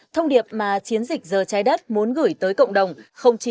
thông điệp mà chiến dịch giờ trái đất muốn gửi tới cộng đồng